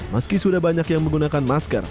meski sudah banyak yang menggunakan masker